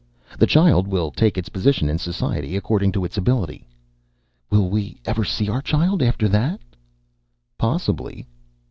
"The child will take its position in society according to its ability." "Will we ever see our child after that?" "Possibly."